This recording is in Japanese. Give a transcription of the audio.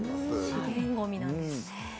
資源ごみなんですね。